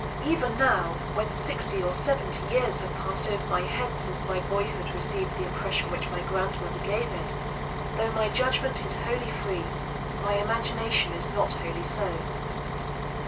Even now, when sixty or seventy years have passed over my head since my boyhood received the impression which my grandmother gave it, though my judgment is wholly free, my imagination is not wholly so.